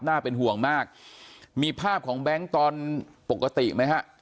เป็นห่วงมากมีภาพของแบงค์ตอนปกติไหมฮะ